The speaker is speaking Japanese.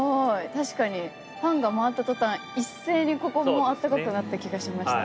確かにファンが回った途端一斉にここも暖かくなった気がしました。